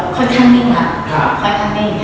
ค่อนข้างนี้